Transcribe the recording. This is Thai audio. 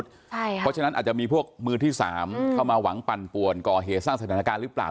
เพราะฉะนั้นอาจจะมีพวกมือที่สามเข้ามาหวังปันปวนก่อเหสรรค์สรรคศักดินการรึเปล่า